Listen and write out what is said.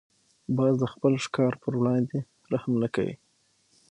باز د خپل ښکار پر وړاندې رحم نه کوي